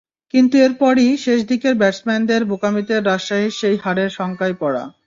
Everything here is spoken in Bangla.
কিন্তু এরপরই শেষ দিকের ব্যাটসম্যানদের বোকামিতে রাজশাহীর সেই হারের শঙ্কায় পড়া।